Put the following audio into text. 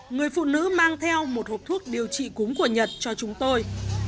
người phụ nữ mang theo một hộp thuốc điều trị cúm của nhật cho chúng tôi